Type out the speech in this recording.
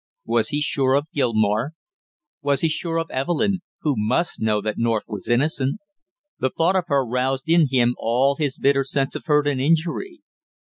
Was he sure of Gilmore, was he sure of Evelyn, who must know that North was innocent? The thought of her roused in him all his bitter sense of hurt and injury.